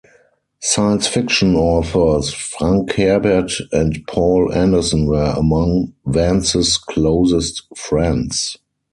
Science fiction authors Frank Herbert and Poul Anderson were among Vance's closest friends.